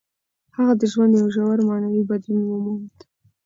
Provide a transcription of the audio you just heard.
د هغه ژوند یو ژور معنوي بدلون وموند.